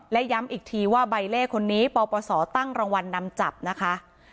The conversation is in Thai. และย้ำอีกทีว่าใบเล่คนนี้ปปศตั้งรางวัลนำจับนะคะ